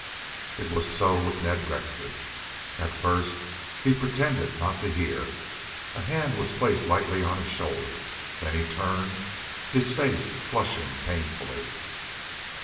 It was so with Ned Rector. At first he pretended not to hear. A hand was placed lightly on his shoulder. Then he turned, his face flushing painfully.